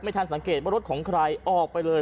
ทันสังเกตว่ารถของใครออกไปเลย